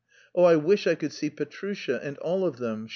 Oh, I wish I could see Petrusha... and all of them...